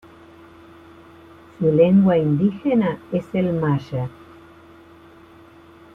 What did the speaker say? Su lengua indígena es el maya.